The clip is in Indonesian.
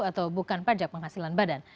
atau bukan pajak penghasilan badan